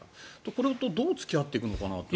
これとどう付き合っていくのかなって。